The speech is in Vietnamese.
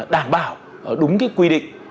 đảm bảo đúng cái quy định